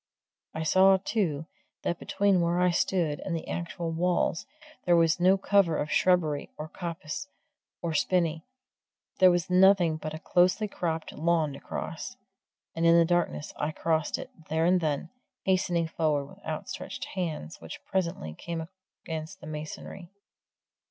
I saw, too, that between where I stood and the actual walls there was no cover of shrubbery or coppice or spinny there was nothing but a closely cropped lawn to cross. And in the darkness I crossed it, there and then, hastening forward with outstretched hands which presently came against the masonry.